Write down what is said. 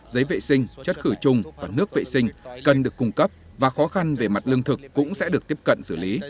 giấy vệ sinh chất khử trùng và nước vệ sinh cần được cung cấp và khó khăn về mặt lương thực cũng sẽ được tiếp cận xử lý